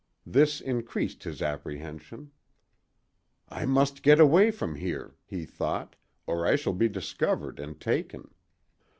This increased his apprehension. "I must get away from here," he thought, "or I shall be discovered and taken."